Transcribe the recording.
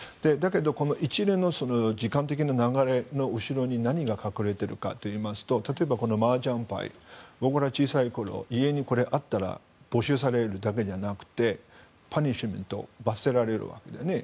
一連の時間的な流れの後ろに何が隠れているかと言いますと例えばマージャンパイ僕らは小さい頃これが家にあったら没収されるだけじゃなくてバニッシュメントと罰せられるわけだよね。